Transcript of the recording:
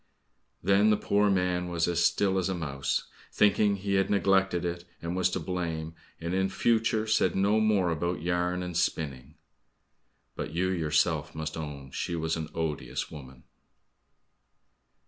Then the poor man was as still as a mouse, thinking he had neglected it, and was to blame, and in future said no more about yarn and spinning. But you yourself must own she was an odious woman!